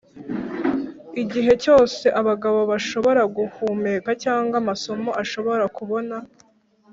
igihe cyose abagabo bashobora guhumeka cyangwa amaso ashobora kubona,